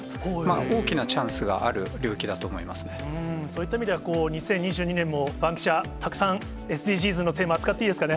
大きなチャンスがある領域だと思そういった意味では、２０２２年も、バンキシャ、たくさんＳＤＧｓのテーマ、扱っていいですかね？